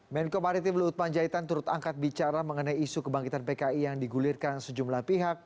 menko maritim luhut panjaitan turut angkat bicara mengenai isu kebangkitan pki yang digulirkan sejumlah pihak